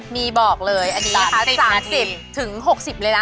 มีบอกเลยอันนี้นะคะ๓๐๖๐เลยนะ